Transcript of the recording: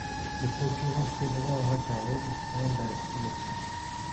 Le procureur Pedro Harrach Arrom prend l'accusation.